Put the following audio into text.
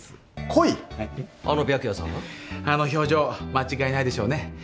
あの表情間違いないでしょうね。